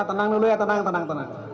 ya tenang dulu ya tenang tenang tenang